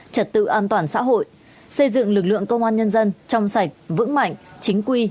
trật tự an toàn xã hội xây dựng lực lượng công an nhân dân trong sạch vững mạnh chính quy